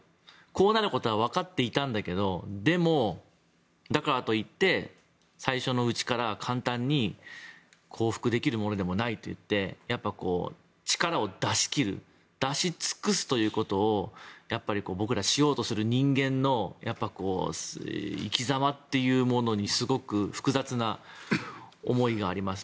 こうなることはわかっていたんだけどでも、だからと言って最初のうちから簡単に降伏できるものでもないといって力を出し切る出し尽くすということをやっぱり僕ら、しようとする人間の生き様というものにすごく複雑な思いがあります。